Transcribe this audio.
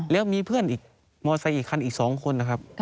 แล้วมีเพื่อนมอเตอร์ไซค์อีกครั้งอีก๒คนนะครับ